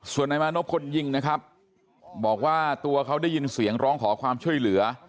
ส่วนนายมานพคนยิงนะครับบอกว่าตัวเขาได้ยินเสียงร้องขอความช่วยเหลือ